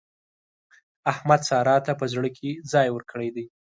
احمد سارا ته په زړه کې ځای ورکړی دی.